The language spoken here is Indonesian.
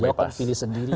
dia akan pilih sendiri